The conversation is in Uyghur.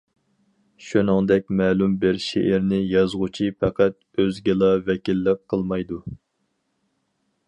شۇنىڭدەك مەلۇم بىر شېئىرنى يازغۇچى پەقەت ئۆزىگىلا ۋەكىللىك قىلمايدۇ.